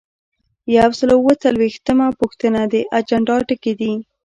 یو سل او اووه څلویښتمه پوښتنه د اجنډا ټکي دي.